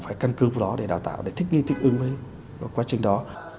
phải căn cứ vào đó để đào tạo để thích nghi thích ứng với quá trình đó